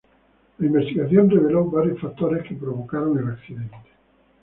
La investigación reveló varios factores que provocaron el accidente.